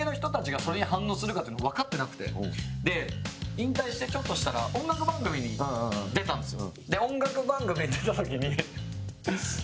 引退して、ちょっとしたら音楽番組に出たんですよ。